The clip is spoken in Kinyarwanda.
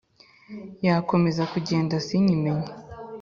yakomeza kugenda sinyimenye